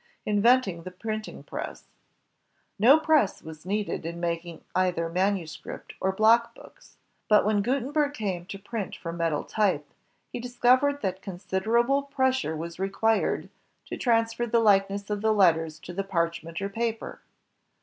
Inventing the Printing Press No press was needed in making either manuscript or block books. But when Gutenberg came to print from metal type, he discovered that considerable pressure was required to transfer the likeness of the letters to the parch ment or paper.